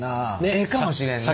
ええかもしれんね。